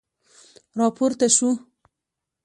را پورته شو.